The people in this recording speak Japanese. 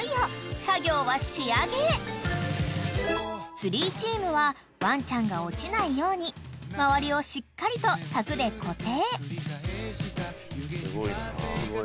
［ツリーチームはワンちゃんが落ちないように周りをしっかりと柵で固定］